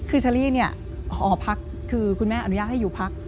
คือเชอรี่เนี่ยหอพักคือคุณแม่อนุญาตให้อยู่พัก